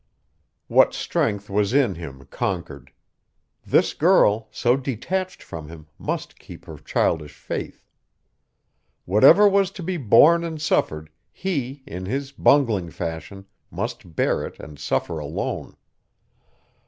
What strength was in him conquered. This girl, so detached from him, must keep her childish faith. Whatever was to be borne and suffered, he, in his bungling fashion, must bear it and suffer alone.